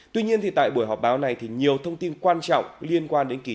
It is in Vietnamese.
tuy nhiên thì tại buổi họp báo này thì nhiều thông tin quan trọng liên quan đến kỳ triệu